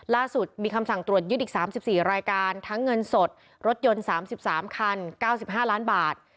ล่าสุดมีคำสั่งตรวจยึดอีก๓๔รายการทั้งเงินสดรถยนต์๓๓คัน๙๕ล้านบาท